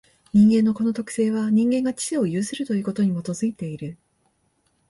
人間のこの特性は、人間が知性を有するということに基いている。